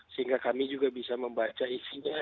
sehingga kami juga bisa membaca isinya